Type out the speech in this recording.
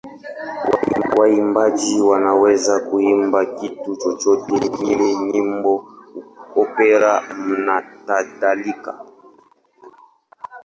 Waimbaji wanaweza kuimba kitu chochote kile: nyimbo, opera nakadhalika.